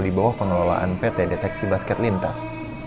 di bawah pengelolaan pt deteksi basket lintas